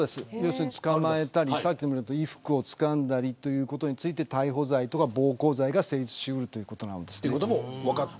捕まえたり衣服をつかんだりということについて逮捕罪とか暴行罪が成立しうるということがあります。